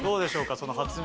その発明